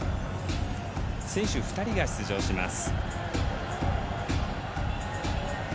選手２人が出場します。